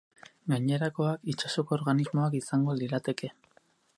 Gainerakoak, itsasoko organismoak izango lirateke.